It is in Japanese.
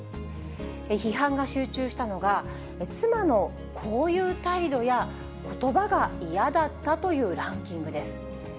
批判が集中したのが、妻のこういう態度やことばが嫌だったというランキングです。